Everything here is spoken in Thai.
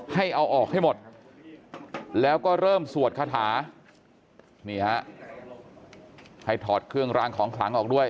ให้เอาออกให้หมดแล้วก็เริ่มสวดคาถานี่ฮะให้ถอดเครื่องรางของขลังออกด้วย